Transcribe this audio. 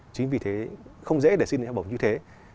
chính vì thế không dễ để xin học bổng như thế